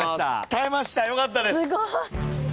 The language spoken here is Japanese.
耐えましたよかったです。